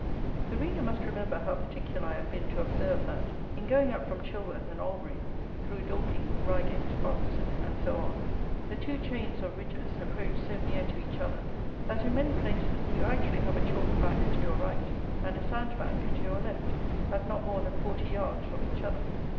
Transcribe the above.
The reader must remember how particular I have been to observe that, in going up from Chilworth and Albury, through Dorking, Reigate, Godstone, and so on, the two chains, or ridges, approach so near to each other, that, in many places, you actually have a chalk bank to your right and a sand bank to your left, at not more than forty yards from each other.